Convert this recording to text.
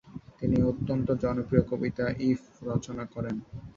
তিনি অত্যন্ত জনপ্রিয় কবিতা ইফ - রচনা করেন।